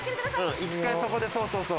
１回そこでそうそうそう。